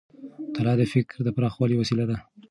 مطالعه د فکر د پراخوالي وسیله ده.